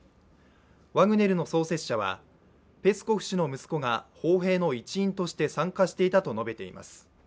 ワグネルの創設者はペスコフ氏の息子が砲兵の一員として参加していたと述べています。